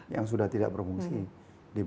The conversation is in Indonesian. yang sudah tidak promosi